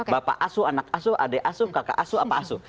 bapak asuh anak asuh adik asuh kakak asuh apa asuh